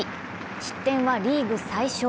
失点はリーグ最少。